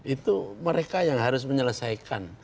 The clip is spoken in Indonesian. itu mereka yang harus menyelesaikan